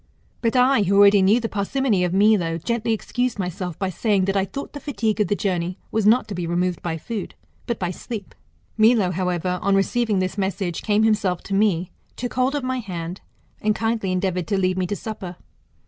But I, who already knew the parsimony of Milo, gently excused myself by saying, that I thought the fatigue of the journey was not to be removed by food, but by sleep. Milo, however, on receiving this message, came himself to me, took hold of my hand, and kindly endeavoured to lead me to supper.